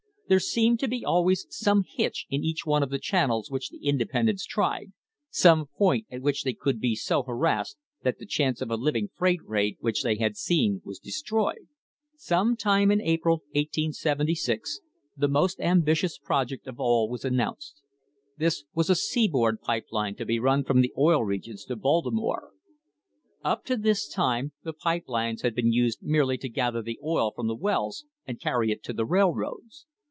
There seemed to be always THE HISTORY OF THE STANDARD OIL COMPANY some hitch in each one of the channels which the independents tried, some point at which they could be so harassed that the chance of a living freight rate which they had seen was destroyed. Some time in April, 1876, the most ambitious project of all was announced. This was a seaboard pipe line to be run from the Oil Regions to Baltimore. Up to this time the pipe lines had been used merely to gather the oil from the wells and carry it to the railroads.